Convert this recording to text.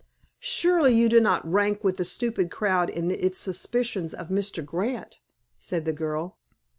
"Surely you do not rank with the stupid crowd in its suspicions of Mr. Grant?" said the girl.